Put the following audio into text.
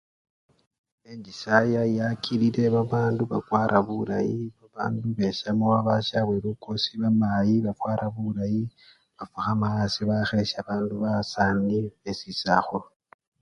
Enchisaya yakilile babandu bakwara bulayi babandu besyamo babasyabwe lukosi, bamayi bafwara bulayi, bafukhama asii bakhesya bandu basani besisakhulu.